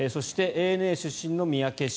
ＡＮＡ出身の三宅氏